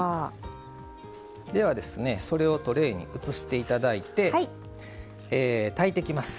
ではそれをトレーに移していただいて炊いていきます。